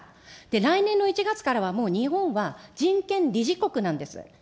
来年の１月からは、もう日本は人権理事国なんです。